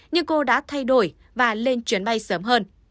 nhưng cô đã thay đổi và lên chuyến bay sớm hơn